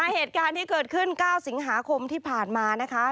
เหตุการณ์ที่เกิดขึ้น๙สิงหาคมที่ผ่านมานะคะ